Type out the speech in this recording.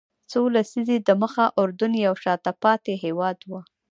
څو لسیزې دمخه اردن یو شاته پاتې هېواد و.